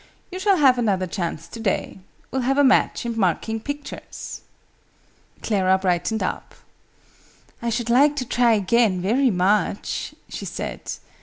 "You shall have another chance to day. We'll have a match in marking pictures." Clara brightened up. "I should like to try again, very much," she said.